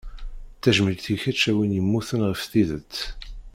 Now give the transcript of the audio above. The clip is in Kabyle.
Tajmilt i keč a win yemmuten ɣef tidet.